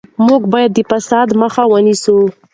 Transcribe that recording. موږ باید د فساد مخه ونیسو.